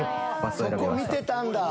そこ見てたんだ。